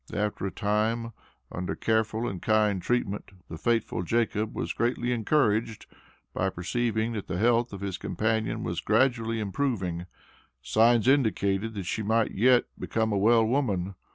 After a time, under careful and kind treatment, the faithful Jacob was greatly encouraged by perceiving that the health of his companion was gradually improving signs indicated, that she might yet become a well woman.